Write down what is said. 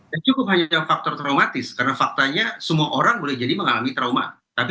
dan cukup banyak faktor traumatis karena faktanya semua orang boleh jadi mengalami trauma tapi